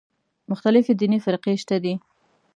مختلفې دیني فرقې شته دي.